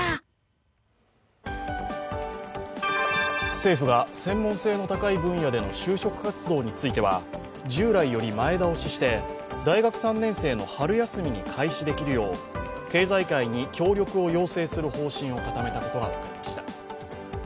政府が専門性の高い分野での就職活動については従来より前倒しして、大学３年生の春休みに開始できるよう、経済界に協力を要請する方針を固めたことが分かりました。